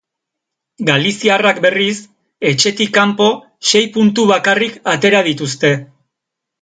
Galiziarrak, berriz, etxetik kanpo sei puntu bakarrik atera dituzte.